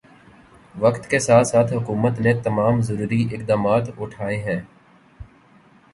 وقت کے ساتھ ساتھ حکومت نے تمام ضروری اقدامات اٹھائے ہیں او